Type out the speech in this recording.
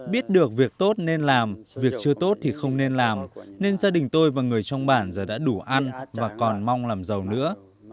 biết được việc tốt nên làm việc chưa tốt thì không nên làm nên gia đình tôi và người trong bản giờ đã đủ ăn và còn mong làm giàu nữa